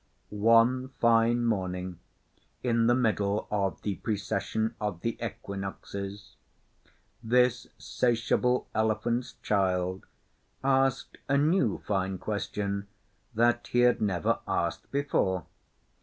One fine morning in the middle of the Precession of the Equinoxes this 'satiable Elephant's Child asked a new fine question that he had never asked before.